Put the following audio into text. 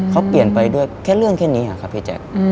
เขาเปลี่ยนไปด้วยแค่เรื่องแค่นี้ครับพี่แจ๊ค